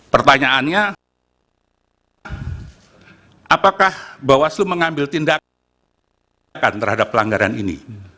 pertanyaannya apakah bawaslu mengambil tindakan terhadap pelanggaran ini